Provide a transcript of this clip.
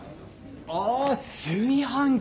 あ「炊飯器」。